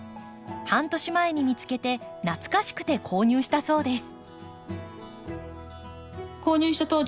半年前に見つけて懐かしくて購入したそうです。